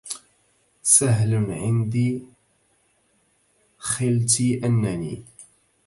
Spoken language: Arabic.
سهل عندي خلتي أنني